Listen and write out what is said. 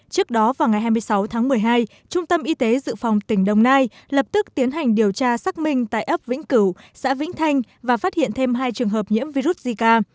trước đó vào ngày hai mươi sáu tháng một mươi hai trung tâm y tế dự phòng tỉnh đồng nai lập tức tiến hành điều tra xác minh tại ấp vĩnh cửu xã vĩnh thanh và phát hiện thêm hai trường hợp nhiễm virus zika